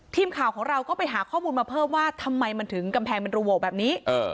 ทีมข่าวของเราก็ไปหาข้อมูลมาเพิ่มว่าทำไมมันถึงกำแพงมันรูโหวแบบนี้